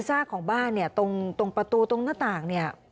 ซากของบ้านตรงประตูตรงหน้าต่าง